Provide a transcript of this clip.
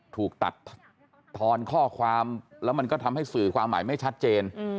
ถูกตัดทอนข้อความแล้วมันก็ทำให้สื่อความหมายไม่ชัดเจน